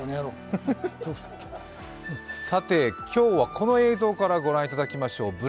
さて、今日はこの映像から御覧いただきましょう。